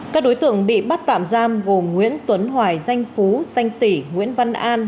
các đối tượng bị bắt tạm giam gồm nguyễn tuấn hoài danh phú danh tỷ nguyễn văn an